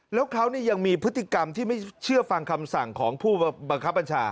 แล้วเขายังมีพฤติกรรมที่ไม่เชื่อฟังคำสั่งของผู้บังคับบัญชา